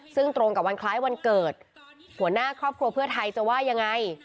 ซึ่งตรงกับวันคล้ายวันเกิดหัวหน้าครอบครัวเพื่อไทยจะว่ายังไง